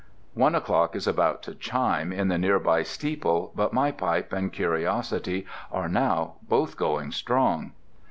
One o'clock is about to chime in the near by steeple, but my pipe and curiosity are now both going strong.